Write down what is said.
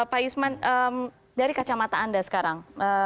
pak yusman dari kacamata anda sekarang